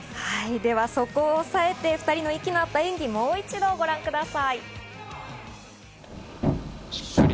では、そこを抑えて、２人の息の合った演技をもう一度ご覧ください。